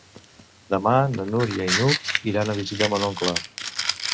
Demà na Núria i n'Hug iran a visitar mon oncle.